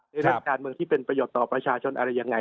เรื่องการเมืองที่เป็นประโยชน์ต่อประชาชนอะไรยังไง